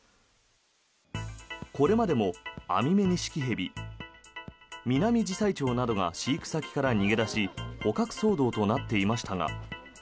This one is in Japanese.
これまでもアミメニシキヘビミナミジサイチョウなどが飼育先から逃げ出し捕獲騒動となっていましたが。